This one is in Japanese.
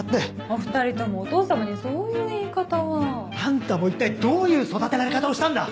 お２人ともお父様にそういう言い方は。あんたも一体どういう育てられ方をしたんだ？